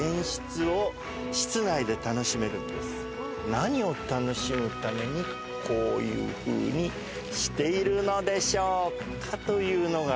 何を楽しむためにこういうふうにしているのでしょうかというのが。